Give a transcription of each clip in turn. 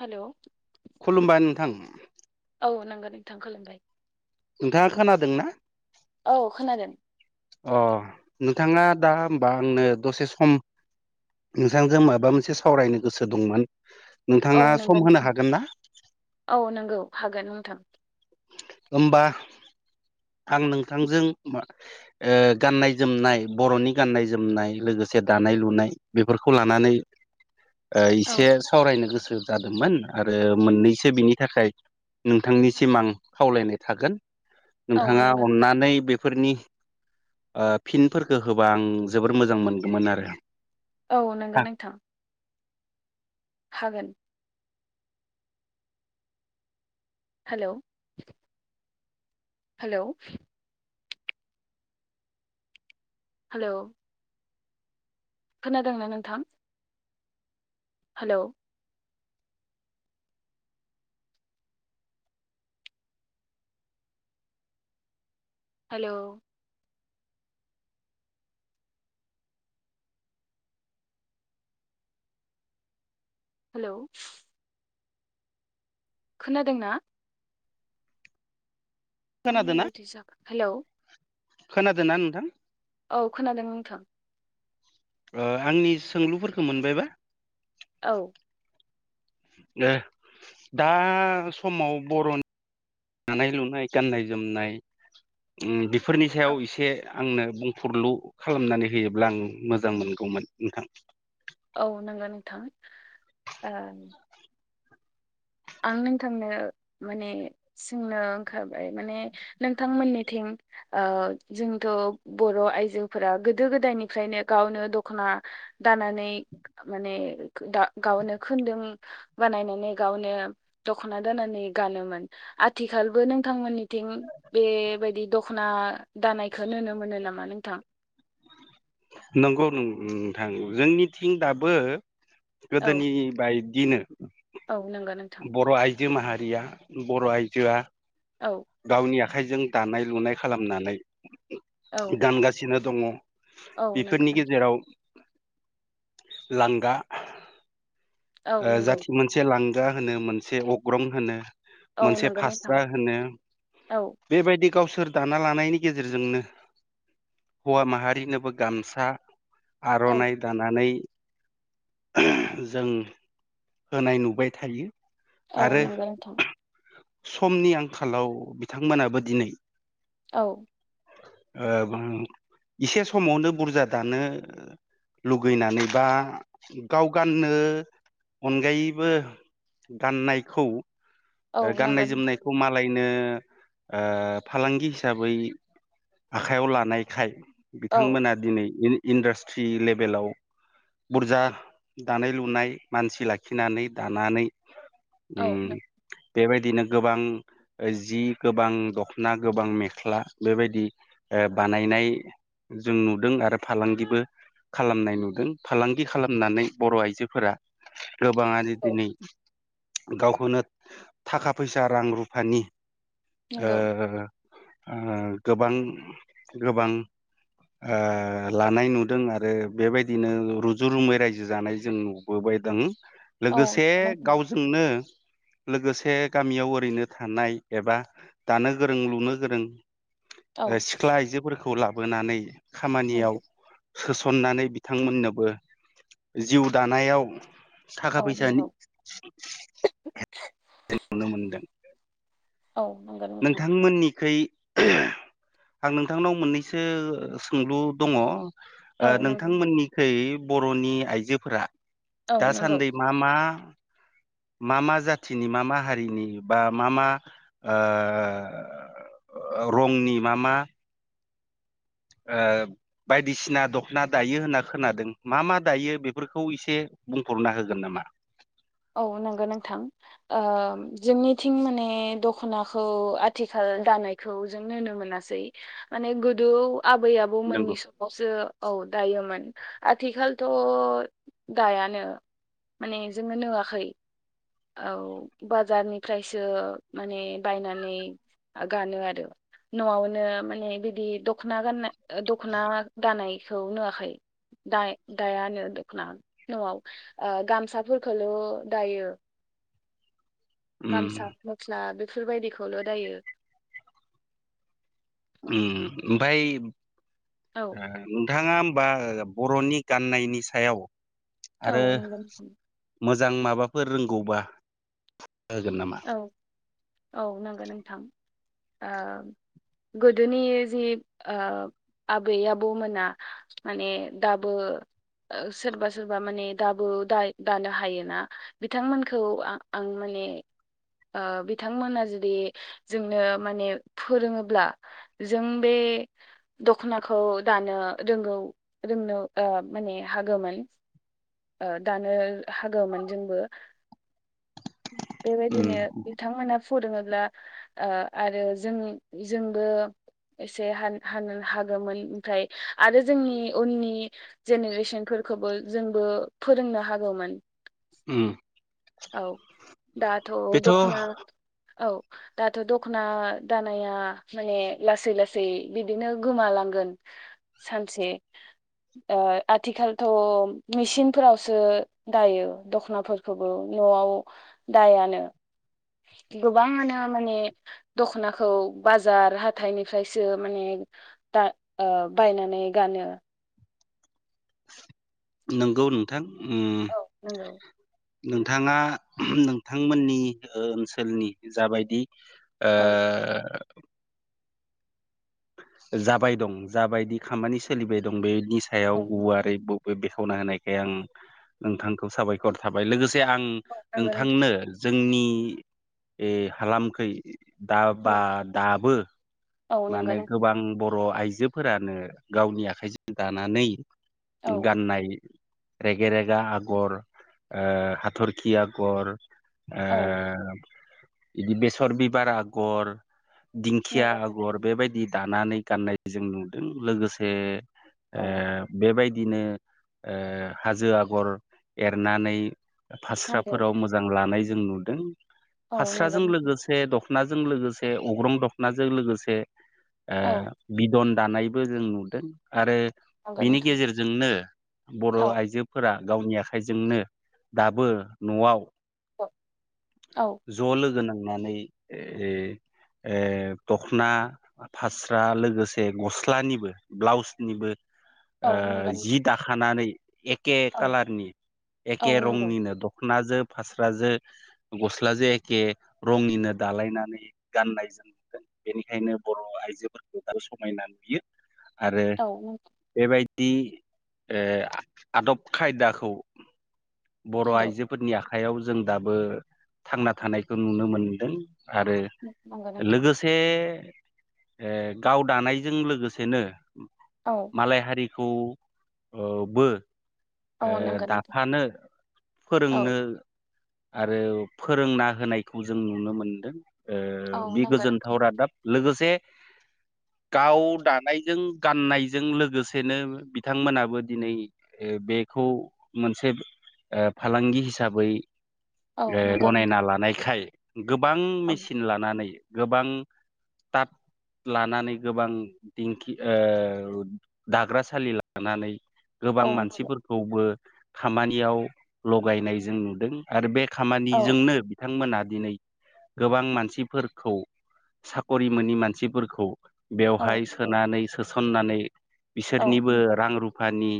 हेल' खुलुमबाय नोंथां औ नंगौ नोंथां खुलुमबाय नोंथाङा खोनादों ना? औ खोनादों अ नोंथाङा दा होमबा आंनो दसे सम नोंथांजों माबा मोनसे सावरायनो गोसो दंमोन औ नोंथाङा सम नंगौ होनो नोंथां हागोन ना औ नंगौ हागोन नोंथां। होमबा आं नोंथांजों ओ गाननाय जोमनाय बर'नि गाननाय जोमनाय लो गोसे दानाय लुनाय बेफोरखौ लानानै ओ औ एसे सावरायनो गोसो जादोंमोन आरो मोननैसो बिनि थाखाय नोंथांनिसिम आं खावलायनाय थागोन औ नोंथाङा नंगौ नों अननानै बे फोरनि ओ फिनफोरखौ होबा आं जोबोर मोजां मोनगौमोन आरो औ नंगौ नोंथां हागोन हेल' हेल' हेल' खोनादोंना नोंथां? हेलौ हेल' हेल' खोनादोंना? मानो खोनादों ना बिदि जाखो हेल' खोनादों ना नोंथां? औ खोनादों नोंथां। ओ आंनि सोंलुफोरखौ मोनबायबा? औ दे दा समाव बर'नि दानाय लुनाय गाननाय जोमनाय ओम बेफोरनि सायाव एसे आंनो बुंफुरलु खालामनानै होयोब्ला आं मोजां मोनगौमोन नोंथां। औ नंगौ नोंथां आ आं नोंथांनो माने सोंनो ओंखारबाय माने नोंथांमोननिथिं ओ जोंथ' बर' आइजोफोरा गोदो गोदायनिफ्रायनो गावनो दख'ना दानानै माने गावनो खुन्दुं बानायनानै गावनो दखना दोननानै गानोमोन आथिखालबो नोंथांमोननिथिं बेबायदि दख ना दानायखौ नुनो मोनो नामा नोंथां? [inaudible] नंगौ नोंथां जोंनिथिं दाबो औ गोदोनि बाय दिनो औ नंगौ नोंथां जो माहारिया बर' आइजोआ औ गावनि आखाइजों दानाय लुनाय खालामनानै औ गानगासिनो दङ' औ नंगौ बेफोरनि नोंथां। गेजेराव लांगा औ ओ नंगौ जाथि मोनसे लांगा होनो मोनसे अग्रं होनो औ मोनसे नंगौ नोंथां फास्रा होनो औ बेबायदि गावसोर दाना लानायनि गेजेरजोंनो हौवा माहारिनोबो गामसा औ आरनाइ दानानै जों होनाय नुबाय थायो। औ आरो नोंगौ नोंथां। समनि आंखालाव बिथांमोनाबो दिनै औ ओ इसे समावनो बुरजा दानो लुगैनानै बा गाव गाननो अनगायैबो गाननायखौ औ गाननाय नांगोन जोमनायखौ मा लायनो ओ फालांगि हिसाबै आखाइयाव लानायखाय औ बिथांमोना दिनै इन-इन्डास्ट्रि लेभेलाव बुरजा दानाय लुनाय मानसि लाखिनानै दानानै औ उम नों- बेबायदिनो गोबां ओ जि गोबां दखना गोबां मेख्ला बेबायदि ओ बानायनाय जों नुदों आरो फालांगिबो खालामनाय नुदों फालांगि खालामनानै बर' आइजोफोरा गोबाङानो औ दिनै गावखौनो थाखा फैसा रां रुफानि ओ नंगौ ओ गोबां गोबां ओ लानाय नुदों आरो बेबायदिनो रुजु रुमै रायजो जानाय जों नुबोबाय दों। औ लोगोसे नोंथां गावजोंनो लोगोसे गामियाव ओरैनो थानाय एबा दानो गोरों लुनो गोरों औ ओ सिख्ला आइजोफोरखौ लाबोनानै खामानियाव नंगौ सोसननानै बिथांमोननोबो जिउ दानायाव थाखा औ फैसानि नंगौ [inaudible] नुनो मोनदों औ नंगौ नोंथां नोंथांमोननिखै आं नोंथांनाव मोननैसो सोंलु दङ' ओ औ नंगौ नोंथांमोननिखै बर'नि आइजोफोरा औ नंगौ दासान्दि मा मा मा मा जाथिनि मा मा हारिनि बा मा मा ओ रंनि मा मा ओ बायदिसिना दख'ना दायो होनना खोनादों मा मा दायो बेफोरखौ एसे बुंफुरना होगोन नामा? औ नंगौ नोंथां ओ जोंनिथिं माने दख'नाखौ आथिखाल दानायखौ जों नुनो मोनासै माने गोदो आबै नंगौ आबौमोननि समावसो औ दायोमोन आथिखालथ' दायानो। माने जोङो नुवाखै औ बाजारनिफ्रायसो माने बायनानै आ गानो आरो न'आवनो माने बिदि दख'ना गाननाय दख'ना गानायखौ नुवाखै। दाय दाया नो दखना न'आव गामसाफोरखौल दायो उम गामसा मस्ला बेफोरबायदिखौल दायो। उम ओमफ्राय ओ औ नोंथाङा बा बर'नि गाननायनि सायाव आरो औ नोंगौ मोजां माबाफोर रोंगौबा होगोन नामा। औ औ नंगौ नोंथां ओ गोदोनि जि ओ आबै आबौमोना माने दाबो सोरबा सोरबा माने दाबो दानो हायोना बिथांमोनखौ आ आं माने [inaudible] बिथांमोना जुदि जोंनो माने फोरोङोब्ला जों बे दखनाखौ दानो रोंगौ रोंनो माने हागोमोन। दानो हागौमोन जोंबो। बेबायदिनो उम बिथांमोना फोरोङो आरो जों जोंबो एसे हानो हागौमोन ओमफ्राय आरो जोंनि उननि जेनेरेसनफोर फोरखौबो जोंबो फोरोंनो हागौमोन। उम औ दाथ' बेथ' दख'ना औ। दाथ' दख'ना दानाया माने लासै लासै बिदिनो गोमालांगोन। सानसे। आथिखालथ' मेसिनफोरावसो दायो दख'नाफोरखौ। न'आव दायानो। [inaudible] गोबाङानो माने दखनाखौ बाजार हाथाइनिफ्रायसो माने दा बायनानै गानो। नोंगौ नोंथां। औ नंगौ नोंथाङा नोंथांमोननि ओनसोलनि जाबायदि ओ औ जाबाय दं जाबायदि खामानि सोलिबाय दं बेनि सायाव औ गुवारै बेखावना होनायखाय आं नोंथांखौ साबायखर थाबाय लोगोसे जे आं औ नंगौ नोंथां नोंथांनो जोंनि हालामखै दा औ बा दाबो। औ माने नंगौ नोंथां गोबां बर' आइजोफोरानो गावनि आखाइजों दानानै। औ गाननाय। रगेेरगा आगर हाथरखि आगर। औ नंगौ ओ बिदि बेसर बिबार आगर। दिंखिया आगर नोंथां बेबायदि दानानै गाननाय जों नुदों लोगोसे ओ औ बेबायदि बिदिनो हाजो आगर एरनानै। नंगौ फास्राफोराव मोजां लानाय जों नुदों औ नंगौ फास्राजों नोंथां औ नंगौ नोंथां लोगोसे दखनाजों लोगोसे अग्रं दख'नाजों लोगोसे औ बिदन दानायबो जों नुदों आरो बिनि गेजेरजोंनो बर' आइजोफोरा गावनि आखाइजोंनो दाबो न'आव। औ ज' लोगो नां नानै ओ ए दख'ना फास्रा लोगोसे गस्लानिबो ब्लाउसनिबो। औ नंगौ जि नोंथां दाखानानै। एखे औ कालारनि एखे औ नंगौ रंनिनो दखान दखना जों फास्राजों गस्लाजों एखे रंनिनो दालायनानै गाननाय जायो। बेनिखायनो बर' आइजोफोरखौ दा समायना नुयो आरो औ नंगौ बेबायदि आदब खायदाखौ। बर' आइजोफोरनि आखयाव जों दाबो थांना थानायखौ नुनो मोनदों। आरो नंगौ नोंथां लोगोसे। गाव दानायजों लोगोसेनो औ मालाय हारि खौ बो औ ओ नंगौ नोंथां दाफानो औ फोरोंनो आरो फोरोंना होनायखौ जों नुनो मोनदों ओ औ बे नंगौ गोजोनथाव नोंथां रादाब लोगोसे गाव दानायजों गाननायजों लोगोसेनो बिथांमोनाबो दिनै बेखौ मोनसे फालांगि हिसाबै औ नंगौ नोंथां गनायना लानायखाय गोबां औ मेसिन लानानै गोबां दाब लानानै गोबां दिंखि ओ दाग्रासालि लानानै औ गोबां नंगौ मानसिफोरखौबो खामानियाव लगायनाय जों नुदों आरो बे औ खामानिजोंनो बिथांमोना दिनै गोबां मानसिफोरखौ साख'रि मोनि मानसिफोरखौ औ बेवहाय औ सोनानै सोसननानै औ बिसोरनिबो नंगौ रां रुफानि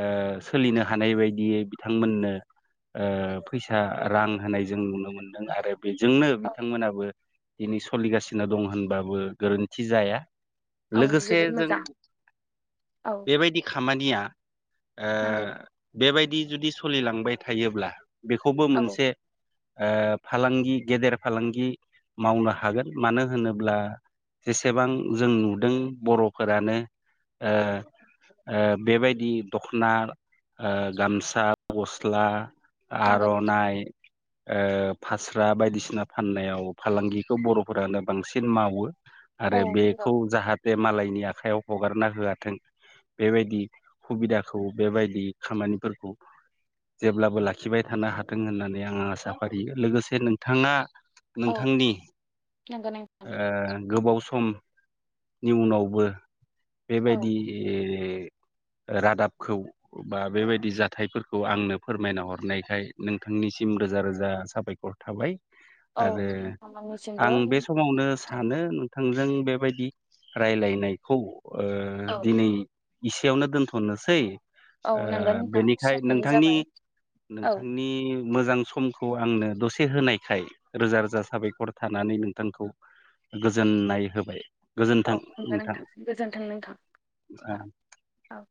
ओ सोलिनो हानाय बायदियै बिथांमोननो ओ फैसा रां होनाय जों नुनो मोनदों आरो बेजोंनो औ बिथांमोनाबो दिनै सोलिगासिनो दं होनबाबो गोरोनथि जाया औ लोगोसे जोबोद जों मोजां औ बेबायदि खामानिया ओ नांगोन बेबायदि जुदि सोलिलांबाय थायोब्ला बेखौबो औ मोनसे ओ फालांगि गेदेर फालांगि मावनो हागोन मानो होनोब्ला जेसेबां जों नुदों बर'फोरानो ओ ओ बेबायदि दखना ओ गामसा गस्ला नांगोन आर'नाइ फास्रा ओ बायदिसिना फाननायाव फालांगिखौ बर' फोरानो बांसिन मावो आरो औ नंगौ बेखौ जाहाथे मालायनि आखाइयाव हगारना होआथों बेबायदि सुबिदाखौ बेबायदि खामानिफोरखौ जेब्लाबो लाखिबाय थानो हाथों होननानै आङो आसा फारियो लोगोसे नोंथाङा औ नोंथांनि नंगौ नोंथां ओ गोबाव समनि उनावबो औ बेबायदि [inaudible] रादाबखौ बा बेबायदि जाथायफोरखौ आंनो फोरमायना हरनायखाय नोंथांनिसिम रोजा रोजा साबायखर थाबाय औ आरो नोंथांमोननिसिमबो आं बे समावनो सानो थोंजों बेबायदि रायलायनायखौ ओ औ दिनै इसेयावनो दोनथ'नोसै ओ औ नंगौ नोंथां बेनिखाय समानो नोंथांनि जाबाय औ नोंथांनि मोजां समखौ आंनो दसे होनायखाय रोजा रोजा साबायखर थानानै नोंथांखौ गोजोननाय होबाय औ गोजोनथों नंगौ नोंथां गोजोन्थों नोंथां औ औ